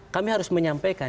kami harus menyampaikan